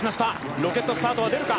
ロケットスタートは出るか？